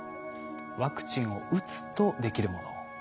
ワクチンを打つとできるもの。